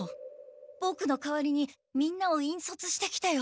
ボクのかわりにみんなを引率してきてよ。